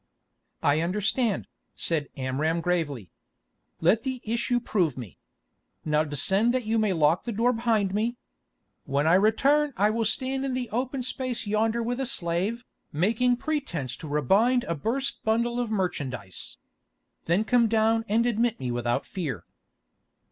"I understand," said Amram gravely. "Let the issue prove me. Now descend that you may lock the door behind me. When I return I will stand in the open space yonder with a slave, making pretence to re bind a burst bundle of merchandise. Then come down and admit me without fear."